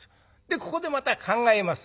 ここでまた考えます。